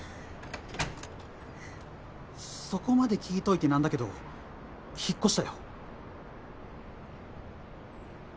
そこまで聞いといてなんだけど引っ越したよ